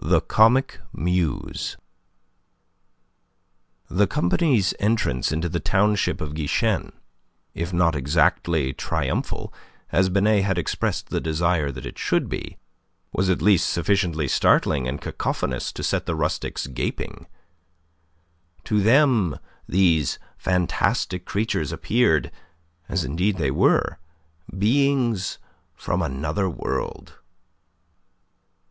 THE COMIC MUSE The company's entrance into the township of Guichen, if not exactly triumphal, as Binet had expressed the desire that it should be, was at least sufficiently startling and cacophonous to set the rustics gaping. To them these fantastic creatures appeared as indeed they were beings from another world.